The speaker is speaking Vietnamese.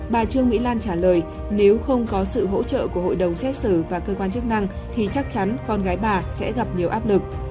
bà trương mỹ lan trả lời nếu không có sự hỗ trợ của hội đồng xét xử và cơ quan chức năng thì chắc chắn con gái bà sẽ gặp nhiều áp lực